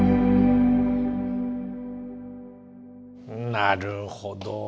なるほど。